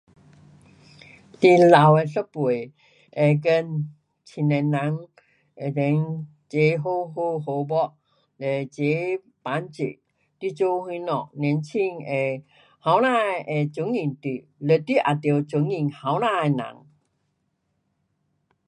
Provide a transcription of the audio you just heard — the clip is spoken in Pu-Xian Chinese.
你老的一辈会跟青年人那边齐好好，好讲，嘞齐帮助，你做什么，年轻会，年轻的会尊敬你，嘞你也得尊敬年轻的人。